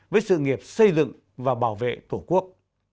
với sự nghiệp xây dựng và bảo vệ tổ quốc